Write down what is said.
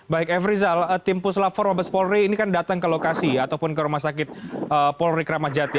baik efrizal tim puslapor mampas polri ini kan datang ke lokasi ataupun ke rumah sakit polri kramadjati